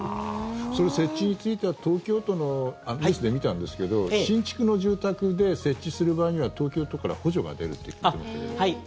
それ、設置については東京都のニュースで見たんですけど新築の住宅で設置する場合には東京都から補助が出るって聞きましたけども。